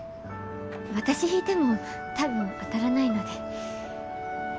私引いても多分当たらないので。